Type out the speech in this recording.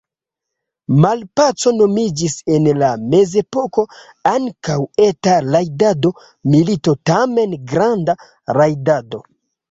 Malpaco nomiĝis en la mezepoko ankaŭ „eta rajdado“, milito tamen „granda rajdado“.